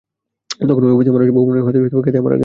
তখন অপরিচিত বামুনের হাতেও ভাত খেতে আমার ঘেন্না করত।